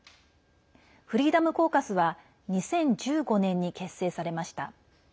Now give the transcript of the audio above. フリーダム・コーカスは２０１５年に結成されました。